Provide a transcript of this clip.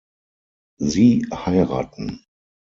Sie heiraten.